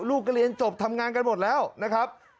ลูกก็เรียนจบทำงานกันหมดแล้วนะครับ